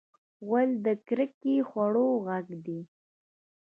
غول د ککړ خوړو غږ دی.